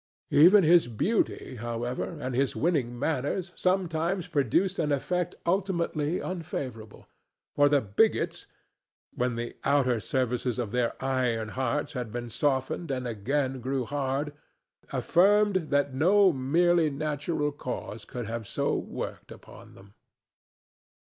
Even his beauty, however, and his winning manners sometimes produced an effect ultimately unfavorable; for the bigots, when the outer surfaces of their iron hearts had been softened and again grew hard, affirmed that no merely natural cause could have so worked upon them.